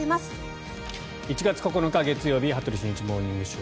１月９日、月曜日「羽鳥慎一モーニングショー」。